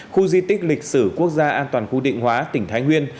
khu di tích lịch sử quốc gia an toàn khu định hóa tỉnh thái nguyên